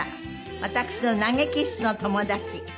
私の投げキッスの友達